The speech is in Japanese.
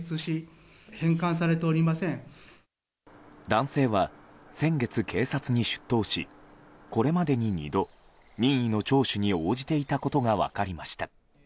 男性は先月、警察に出頭しこれまでに２度任意の聴取に応じていたことが分かりました。